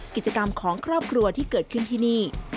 กิจกรรมของครอบครัวที่เกิดขึ้นที่นี่